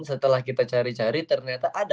setelah kita cari cari ternyata ada